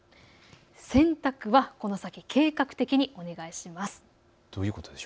洗濯はこの先、計画的にお願いします。